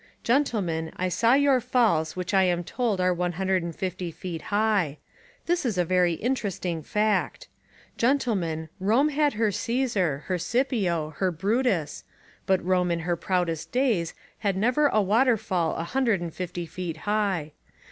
Gentlemen, I saw your falls which I am told are one hundred and fifty feet high. This is a very interesting fact. Gentlemen, Rome had her Caesar, her Scipio, her Brutus, but Rome in her proudest days had never a waterfall a hundred and fifty feet high.